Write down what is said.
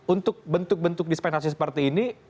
untuk bentuk bentuk dispensasi seperti ini